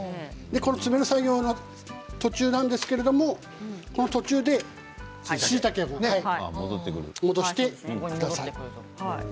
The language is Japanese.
詰める作業の途中なんですけれどもこの途中でしいたけを戻してください。